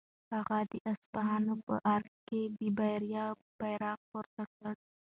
هغه د اصفهان په ارګ کې د بریا بیرغ پورته کړ.